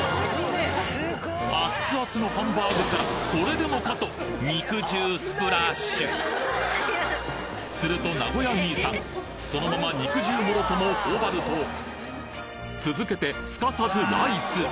アッツアツのハンバーグからこれでもかと肉汁すると名古屋兄さんそのまま肉汁もろとも頬張ると続けてすかさずライス！